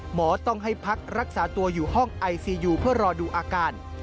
หมอต้องให้พักรักษาตัวอยู่ห้องไอซียูเพื่อรอดูอาการ